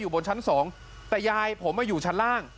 บนชั้นสองแต่ยายผมมาอยู่ชั้นล่าง